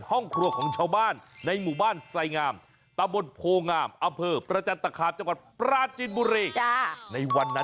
ห้องครัวของชาวบ้าน